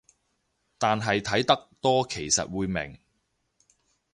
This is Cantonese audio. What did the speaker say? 但係睇得多其實會明